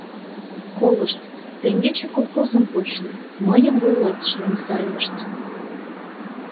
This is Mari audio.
Колышт: теҥгече колхозым почна, мыйым вуйлатышылан сайлышт.